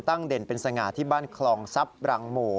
ตั้งเด่นเป็นสง่าที่บ้านคลองซับบรังโหม